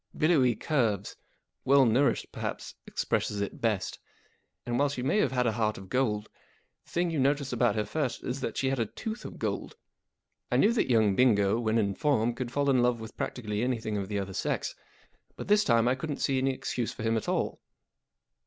Billowy curves. Well nourished perhaps expresses it best. And, while she may have had a heart of gold, the thing you noticed about her first was that she had a tooth of gold. I knew that young Bingo, when in form, could fall in love with practically any¬ thing of the other sex; but this time I couldn't see any excuse for him at all.